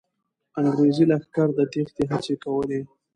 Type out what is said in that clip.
انګریزي لښکر د تېښتې هڅې کولې.